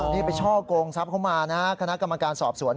นี่ไปช่อกงทรัพย์เข้ามานะฮะคณะกรรมการสอบสวน